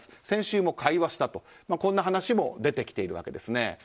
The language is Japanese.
先週も会話したとこんな話も出てきているわけです。